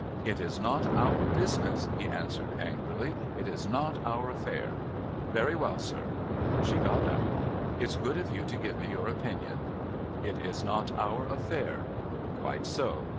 "It is not our business," he answered angrily. "It is not our affair." "Very well, sir." She got up. "It's good of you to give me your opinion. It is not our affair. Quite so.